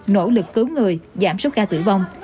nỗ lực cứu người giảm số ca tử vong